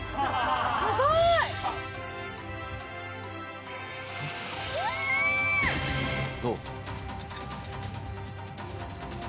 すごい！どう？